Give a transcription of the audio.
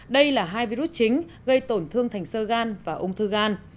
đây là hai virus chính gây tổn thương thành sơ gan và ung thư gan